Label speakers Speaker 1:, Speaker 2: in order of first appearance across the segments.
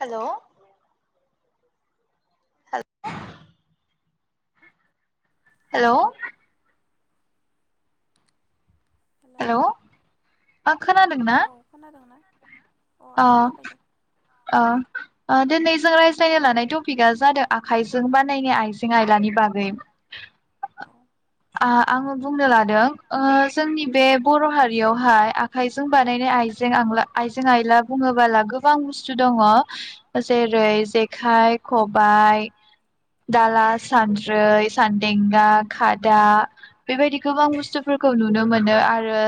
Speaker 1: हेल' [unintelligible]
Speaker 2: [unintelligible]
Speaker 1: हेल'
Speaker 2: hello
Speaker 1: hello खोनादों ना?
Speaker 2: औ खोनादोंना
Speaker 1: अ
Speaker 2: आं खोनाबाय दे
Speaker 1: अ अ
Speaker 2: औ
Speaker 1: दिनैजों रायज्लायनो लानाय टपिकआ जादों आखाइजों बानायनाय आइजें आयलानि बागै
Speaker 2: औ
Speaker 1: आ आङो बुंनो लादों। ओ जोंनि बे बर' हारियावहाय आखाइजों बानायनाय आइजें आंला आइजें आइला बुङोबोला गोबां बुस्थु दङ जेरै जेखाइ खबाइ दाला सानद्रै सान्देंगा खादा बेबायदि गोबां बुस्थुफोरखौ नुनो मोनो आरो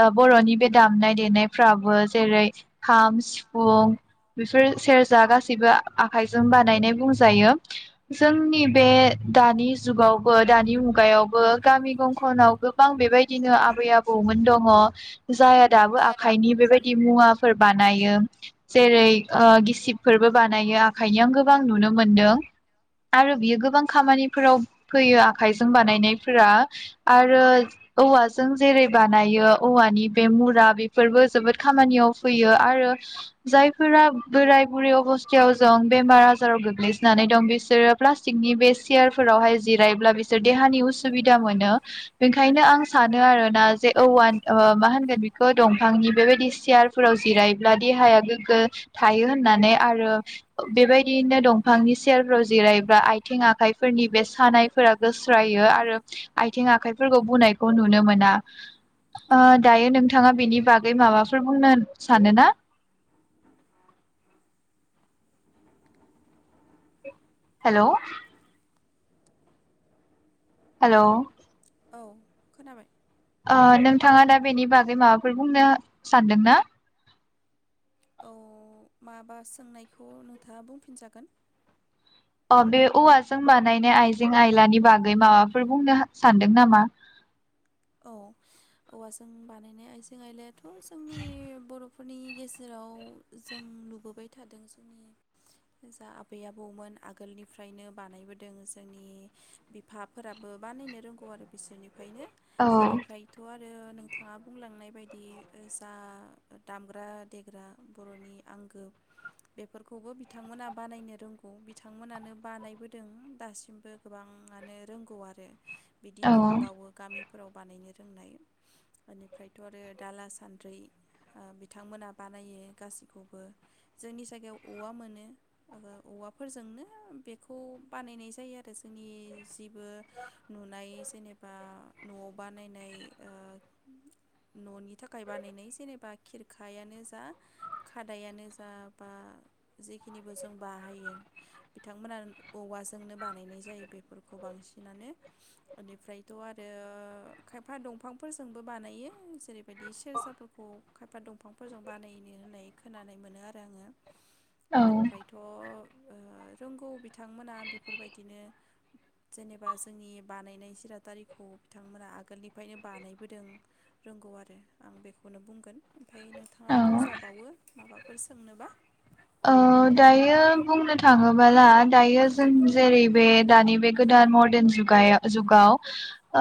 Speaker 1: ओ बर'नि बे दामनाय देनायफ्राबो जेरै खाम सिफुं बेफोर सेरजा गासैबो आखाइजों बानायनाय बुंजायो जोंनि बे दानि जुगावबो दानि मुगायावबो गामि गंखनाव गोबां बेबायदिनो आबै आबौमोन दङ जायहा दाबो आखाइनि बेबाय दि मुवा फोर बानायो जेरै ओ गिस सिब फोरबो बानायो आखाइनि आ गोबां नुनो मोनदों आरो बियो गोबां खामानिफोराव फैयो आखायजों बानाय नैफोरा आरो औवाजों जेरै बानायो औवानि बे मुरा बेफोरबो जोबोद खामानियाव फैयो आरो जाय फोरा बोराय बुरै अबस्थायाव जं बेमार आजाराव गोग्लैसोनानै दं बिसोरो प्लास्टिकनि बे चियार फोरावहाय जिरायब्ला बिसोर देहानि उसुबिदा मोनो बेखायनो आं सानो आरोना जे औवा ओ मा होनगोन बेखौ दंफांनि बेबायदि सियार फोराव जिरायोब्ला देहाया गोग्गो थायो होननानै आरो बेबायदियैनो दंफांनि सेरफोराव जिरायोब्ला आथिं आखाइफोरनि बे सानायफोरा गोस्रायो आरो आथिं आखाइफोरखौ बुनायखौ नुनो मोना। ओ दायो नों थाङा बेनि बागै माबाफोर बुंनो सानो ना? हेलौ हेलौ
Speaker 2: औ खोनाबाय
Speaker 1: ओ नोंथाङा दा बेनि बागै माबाफोर बुंनो सानदोंना?
Speaker 2: औ माबा सोंनायखौ नोंथाङा बुंफिनजागोन।
Speaker 1: अ बे औवाजों बानायनाय आइजें आयलानि बागै माबाफोर बुंनोहा सानदों नामा?
Speaker 2: औ औवाजों बानायनाय आइजें आयलायाथ' जोंनि बर'फोरनि गेजेराव जों नुबोबाय थादों जोंनि जा आबै आबौमोन आगोलनिफ्रायनो बानायबोदों जोंनि बिफाफोराबो बानायनो रोंगौ आरो बिसोरनिफ्रायनो
Speaker 1: औ
Speaker 2: एनिफ्रायथ' आर रो नोंथाङा बुंलांनाय बायदि जा दामग्रा देग्रा बर'नि आंगो बेफोरखौबो बिथांमोना बानायनो रोंगौ बिथांमोनानो बानायबोदों दासिमबो गोबाङानो रोंगौ आरो। बिदि
Speaker 1: औ
Speaker 2: दंबावो गामि फोराव बानायनो रोंनाय ओनिफ्रायथ' आरो दाला सान्द्रै बिथांमोना बानायो गासैखौबो जोंनि जायगायाव औवा मोनो औवाफोरजोंनो बेखौ बानायनाय जायो आरो जोंनि जेबो नुनाय जेनेबा न'आव बानायनाय ओ न'नि थाखाय बानायनाय जेनेबा खिरखायानो जा खादायानो जा बा जिखिनिबो जों बाहायो बिथांमोना औवाजोंनो बानायनाय जायो बेफोरखौ बांसिनानो ओनिफ्रायथ' आ रो खायफा दंफांफोरजोंबो बानायो जेरैबायदि सेरजाफोरखौ खायफा दंफांफोरजों बानायो होननाय खोनानाय मोनो आरो आङो
Speaker 1: औ
Speaker 2: ओनिफ्रायथ' ओ रोंगौ बिथांमोना बेफोरबायदिनो जेनेबा जोंनि बानायनाय सिरादारि खौ बिथांमोना आगोलनिफ्रायनो बानायबोदों रोंगौ आरो आं बेखौनो बुंगोन। ओमफाय नोंथाङा
Speaker 1: औ
Speaker 2: बुंजाबावो माबा फोर सोंनोबा
Speaker 1: अ दायो बुंनो थाङोबोला दायो जों जेरै बे दानि बे गोदान मरदेन जुगाया जुगाव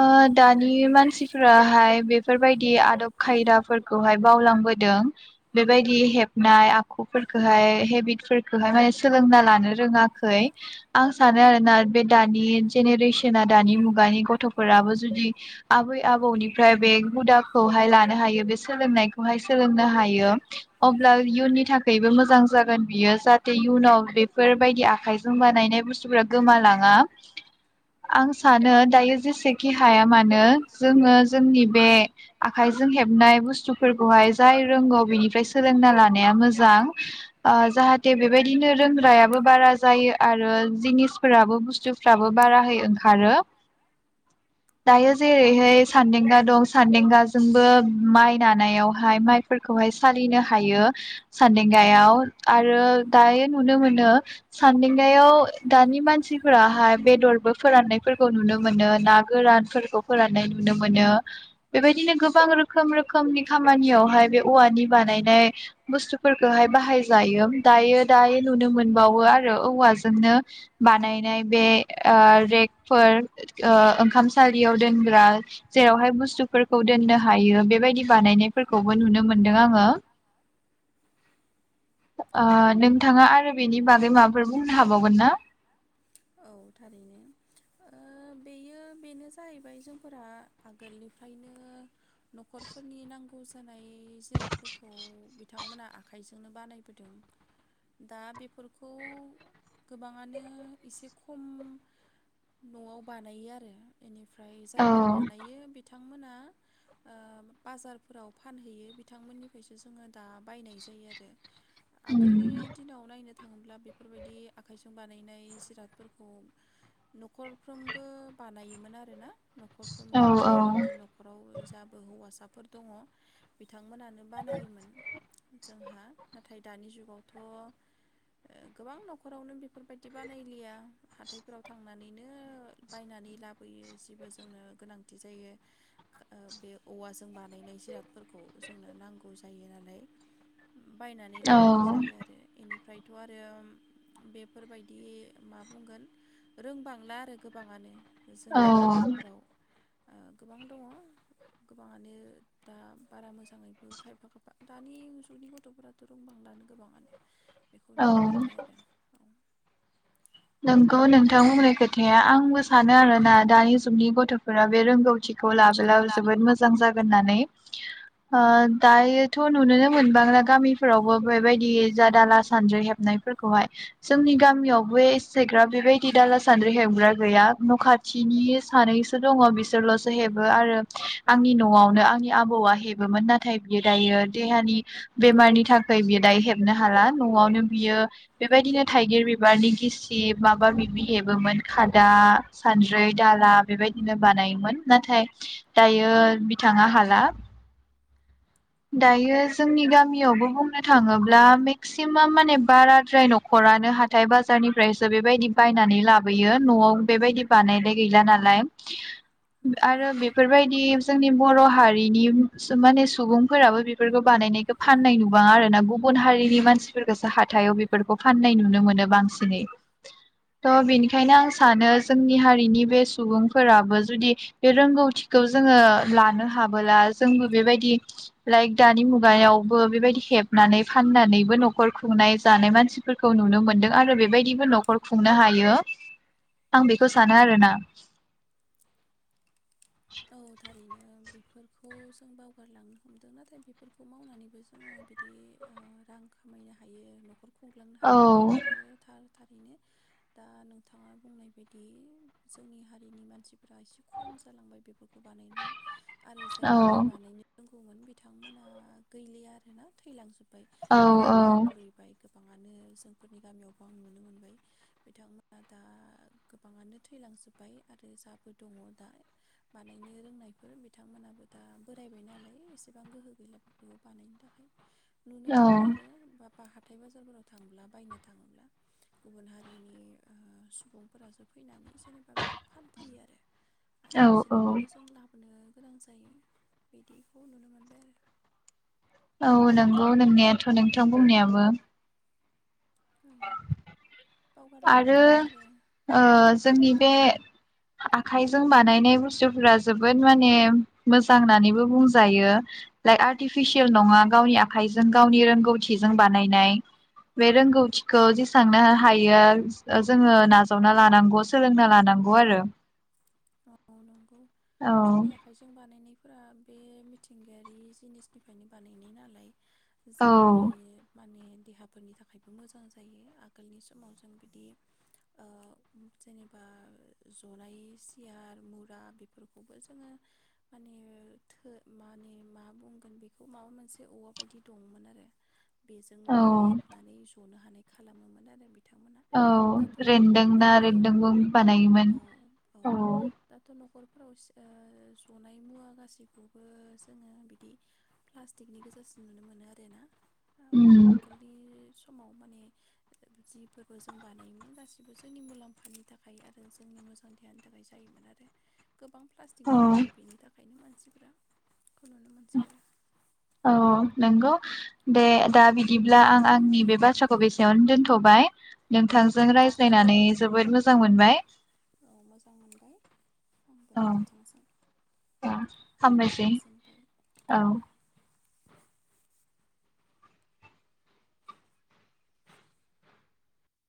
Speaker 1: ओ दानि मानसिफोराहाय बेफोरबायदि आदब खायदाफोरखौहाय बावलांबोदों बेबायदि हेबनाय आखुफोर खोहाय हेबिट फोरखोहाय माने सोलोंना लानो रोङाखै आं सानो आरोना बे दानि जेनेरेसना दानि मुगानि गथ'फोराबो जुदि आबै आबौनिफ्राय बे हुदाखौहाय लानो हायो बे सोलोंनायखौ हाय सोलोंनो हायो अब्ला इयुननि थाखायबो मो जां जाजोन बियो जाहाथे इयुनाव बेफोरबायदि आखाइजों बानायनाय बुसथुफोरा गोमालाङा आं सानो दायो जेसेखि हाया मानो जोङो जोंनि बे आखाइजों हेबनाय बुसथु फोरखौहाय जाय रोंगौ बिनिफ्राय सोलोंना लानाया मोजां आ जाहाथे बेबायदिनो रोंग्रायाबो बारा जायो आरो जिनिसफोराबो बुस्थु दाबो होयो ओंखारो दायो जेरैहाय‌ सानदेंगा दं सानदेंगाजोंबो माइ नानायावहाय माइफोरखौहाय सालिनो‌ हायो सानदें गायाव आरो दायो नुनो मोनो सान्दिंगायाव दानि मानसिफोराहाय बेदर फोराननायफोरखौ नुनो मोनो ना गोरानफोरखौ फोराननाय नुनो मोनो बेबायदिनो गोबां रोखोम रोखोमनि खामानियावहाय बे औवानि बानायनाय बुस्थु फोरखौहाय बाहाय जायो दायो दायो नुनो मोनबावो आरो औवाजोंनो बानायनाय बे ओ फोर ओंखामसालियाव दोनग्रा जेरावहाय बुस्थुफोरखौ दोननो हायो बेबायदि बानायनायफोरखौबो नुनो मोनदों आङो। ओ नोंथाङा आरो बेनि बागै माबाफोर बुंनो हाबावगोन ना?
Speaker 2: औ थारैनो बेयो बेनो जाहैबाय जोंफोरा आगोलनिफ्रायनो नखरफोरनि नांगौ जानाय जिरादफोरखौ बिथांमोना आखाइजोंनो बानायबोदों दा बे फोरखौ गोबाङानो एसे खम न'आव बानायो आरो बेनि ओमफ्राय
Speaker 1: औ
Speaker 2: जायफोर बानायो। बिथांमोना ओ बाजारफोराव फानहैयो बिथांमोननिफ्रायसो जोङो दा बायनाय जायो आरो। आगोलनि
Speaker 1: उम
Speaker 2: दिनाव नायनो थाङोब्ला बेफोरबायदि आखाइजों बानायनाय जिरादफोरखौ नखरफ्रोमबो बानायोमोन आरो ना।
Speaker 1: औ
Speaker 2: नखरफ्रोमबो
Speaker 1: औ
Speaker 2: बानायोमोन नखराव जाबो हौवासा फोर दङ बिथां बिथांमोनानो बानायोमोन। जोंहा नाथाय दानि जुगावथ' गोबां नखरावनो बेफोरबायदि बानायलिया हाथायफोराव थांनानैनो बायनानै लाबोयो जेबो जोंनो गोनांथि जायो बे औवाजों बानायनाय जिरादफोरखौ जोंनो नांगौ जायो नालाय बायनानै
Speaker 1: औ
Speaker 2: लाबोनाय जायो आरो बेनिफ्राय। आरो बेफोरबायदि मा बुंगोन रोंबांला आरो गोबाङानो। जोंनि
Speaker 1: औ
Speaker 2: गामिफोराव गोबां दङ गोबाङानो दा बारा मोजाङैबो खायफा खायफा दानि जुगनि गथफोराथ‌ रोंबांलानो गोबाङानो बेखौ
Speaker 1: औ
Speaker 2: नुनो मोनबाय आरो औ बेनो
Speaker 1: नंगौ नोंथां बुंनाय खोथाया आंबो सानो आरो ना दानि जुगनि गथफोरा बे रोंगौथि खौ लाबोला जोबोद मोजां जा होननानै दायोथ नुनोनो मोनबांया गामिफोरावबो बेबायदि जा दाला सानद्रि हेबनायफोरखौहाय जोंनि गामियावबो सायग्रा बेबायदि दाला सान्द्रि हेबग्रा गैया न खाथिनि सानैसो दङ बिसोरलसो हेबो आरो आंनि न'आवनो आंनि आबौआ हेबोमोन नाथाय बियो दायो देहानि बेमारनि थाखाय बियो दायो हेबनो हाला न'आवनो बियो बेबायदिनो थाइगिर बिबारनि गिसि बे माबा माबि हेबोमोन खादा सानद्रि दाला बेबायदिनो बानायोमोन नाथाय दायो बिथाङा हाला दायो। जोंनि गामियावबो बुंनो थाङोब्ला ब्ला मेक्सिमाम माने बाराद्राय न'खरनो हाथाय बाजारनि ओमफ्रायसो बेबायदि बायनानै लाबोयो नआव बेबायदि बानायलाय गैला नालाय
Speaker 2: औ गैला
Speaker 1: आरो बेफोरबायदि जोंनि बर' हारिनि माने सुबुंफोराबो बेफोरखौ बानायनायखौ फाननाय नुबाङा आरो ना गुबुन हारिनि मानसिफोरखौसो हाथायाव बेफोरखौ फाननाय नुनो मोनो बांसिनै थ' बेनिखायनो आं सानो जोंनि हारिनि बे सुबुंफोराबो जुदि बे रोंगौथिखौ जोङो लानो हाबोला जोंबो बेबायदि लाइक दानि मुगायावबो बेबायदि हेबनानै फाननानैबो न'खर खुंनाय जानाय मानसिफोरखौ नुनो मोनदों आरो बेबायदि न'खर खुंनो हायो आं बेखौ सानो आरोना।
Speaker 2: औ थारैनो बेफोरखौ जों बावगारलांनो हमदों नाथाय बेफोरखौ मावनानैबो जोङो बिदि रां खामायनो हायो। न'खर खुंलांनो
Speaker 1: औ
Speaker 2: हायो आरो बे थार। थारैनो दा नोंथाङा बुंनाय बायदि जोंनि हारिनि मानसिफोरा एसे खम जालांबाय। बे बानायनाया आरो
Speaker 1: औ
Speaker 2: जायफोरबो बानायनो रों दोंमोन बिथांमोना गैलिया आरोना थैलांजोबबाय। ओमफ्राय
Speaker 1: औ औ
Speaker 2: बोरायबाय बुरिबाय गोबाङानो जोंफोरनि गामियावबो आं नुनो मोनबाय बिथांमोना दा गोबाङानो थैलांजोबबाय आरो जाबो दङ दा बानायनो रोंनायफोर बिथांमोनाबो दा बोरायबाय नालाय एसेबां गोहो गैला बेफोरखौ बानायनो थाखाय। नुनो मोनो आरो
Speaker 1: औ
Speaker 2: बा-बाहाग हाथाय बाजारफोराव थांब्ला बायनो थाङोब्ला गुबुन हारिनि सुबुंफोरासो फैनानै जेनेबा बिदि फानफैयो आरो। आरो
Speaker 1: औ औ
Speaker 2: बिसोरनिफ्रायनो जों लाबोनो गोनां जायो बिदिखौ नुनो मोनबाय आरो
Speaker 1: औ नंगौ नोंनायाथ' नोंथां बुंनायाबो।
Speaker 2: औ
Speaker 1: [unintelligible]
Speaker 2: बावगारलांनो
Speaker 1: आरो
Speaker 2: नाङा
Speaker 1: ओ जोंनि बे आखाइजों बानायनाय बुस्थुफोरा जोबोद माने मोजां होननानैबो बुंजायो लाइक आर्टिफिसियेल नङा गावनि आखाइजों गावनि रोंगौथिजों बानायनाय बे रोंगौथिखौ जेसेबांनो हायो। जोङो नाजावना लानांगौ सोलोंना लानांगौ आरो।
Speaker 2: औ नंगौ
Speaker 1: औ
Speaker 2: जोंनि आखाइजों बानायनाय। फ्रा बे मिथिंगायारि जिनिसनिफ्रायनो बानायनाय नालाय।
Speaker 1: औ
Speaker 2: जोंनि माने देहाफोरनि थाखायबो मोजां जायो आगोलनि समाव जों बिदि ओ जेनेबा जनाय यार मुरा बेफोरखौबो जोङो माने थो माने मा बुंगोन बेखौ माबा मोनसे औवा बायदि दंमोन आरो।
Speaker 1: औ
Speaker 2: बेजोंबो हेबनानै जनो हानाय खालामोमोन आरो बिथांमोना
Speaker 1: औ
Speaker 2: दाथ'
Speaker 1: रन्दों ना
Speaker 2: न'खरफ्रोमबो
Speaker 1: रन्दोंबो
Speaker 2: औ
Speaker 1: बानायोमोन औ।
Speaker 2: दाथ' न'खर फोराव जनाय मुवा गासैखौबो जोङो बिदि प्लास्टिकनि गोजासिन नुनो मोनो आरो ना। औ
Speaker 1: उम
Speaker 2: आगोलनि समाव माने जिफोरबो जों बानायोमोन गासिबो जोंनि मुलामफानि थाखाय आरो जोंनि मोजां देहानि थाखाय जायो मोन आरो। गोबां प्लास्टिक
Speaker 1: औ
Speaker 2: बाहायबाय बेनि थाखाय। ओंखायनो मानसिफ्रा खौ नुनो मोनसै आरो।
Speaker 1: औ नंगौ दे दा बिदिब्ला आं आंनि बे बाथ्राखौ बेसेयावनो दोनथ'बाय। नोंथांजों
Speaker 2: औ
Speaker 1: रायज्लायनानै जोबोद मोजां मोजां मोनबाय।
Speaker 2: औ मोजां मोनबाय आंबो
Speaker 1: औ औ
Speaker 2: नोंथांजों
Speaker 1: हामबायसै
Speaker 2: गोजोनबाय।
Speaker 1: औ